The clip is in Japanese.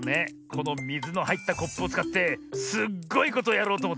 このみずのはいったコップをつかってすっごいことをやろうとおもってねえ。